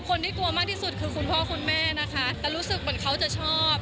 คนที่กลัวมากที่สุดคือคุณพ่อคุณแม่นะคะแต่รู้สึกเหมือนเขาจะชอบ